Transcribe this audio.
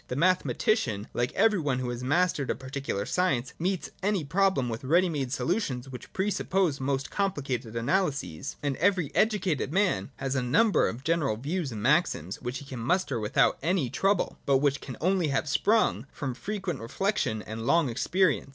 The mathematician, like every one who has mastered a particular science, meets any problem with ready made solutions which pre suppose most complicated analyses : and every educated man has a number of general views and maxims which he can muster without trouble, but which can only have sprung from frequent reflection and long experience.